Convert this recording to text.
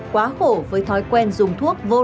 quá khổ với thói quen dùng thuốc vô lực